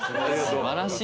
素晴らしい。